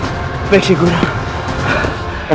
terima kasih raden